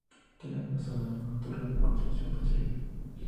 Tiene adosada una torre de construcción posterior.